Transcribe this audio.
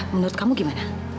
menurut kamu gimana